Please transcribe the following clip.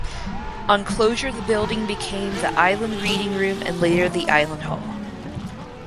On closure the building became the island reading room and later the island hall.